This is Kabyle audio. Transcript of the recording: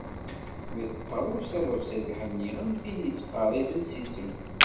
Mi tqerreb s aḍebsi n lḥenni am tin yettqerriben s izem.